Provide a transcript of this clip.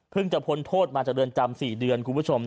จะพ้นโทษมาจากเรือนจำ๔เดือนคุณผู้ชม